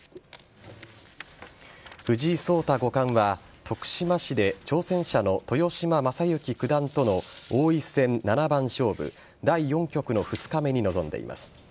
藤井聡太五冠は徳島市で挑戦者の豊島将之九段との王位戦七番勝負第４局の２日目に臨んでいます。